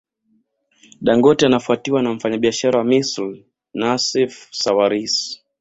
Dangote anafuatiwa na mfanyabiashara wa Misri Nassef Sawaris